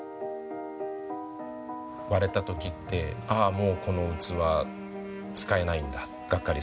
割れた時ってああもうこの器使えないんだガッカリする。